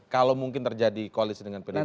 kalau mungkin terjadi koalisi dengan pdi perjuangan